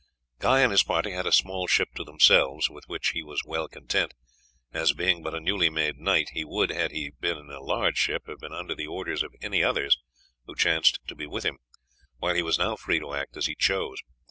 Guy and his party had a small ship to themselves, with which he was well content, as, being but a newly made knight, he would, had he been in a large ship, have been under the orders of any others who chanced to be with him; while he was now free to act as he chose.